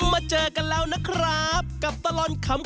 มาเจอกันแล้วนะครับกับตลอดขำ